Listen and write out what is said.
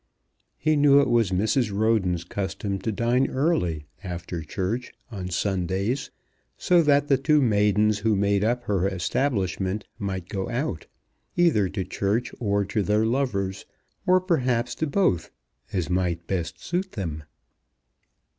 He knew it was Mrs. Roden's custom to dine early, after church, on Sundays, so that the two maidens who made up her establishment might go out, either to church or to their lovers, or perhaps to both, as might best suit them.